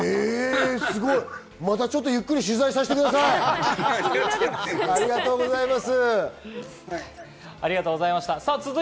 またゆっくりと取材させてください。